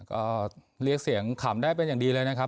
ก็เรียกเสียงขำได้เป็นอย่างดีเลยนะครับ